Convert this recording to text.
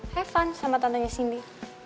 have fun sama tantenya cindy